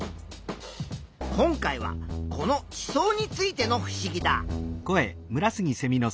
今回はこの地層についてのふしぎだ。